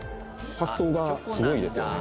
発想がすごいですよね